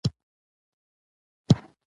د بنده په ذهن کې ناوړه تصویر جوړېږي.